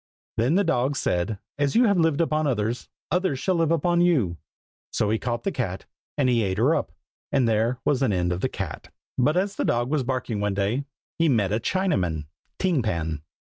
Then the dog said, "As you have lived upon others, others shall live upon you!" So he caught the cat, and he ate her up. And there was an end of the cat. But as the dog was barking one day, He met a Chinaman, Ting Pan.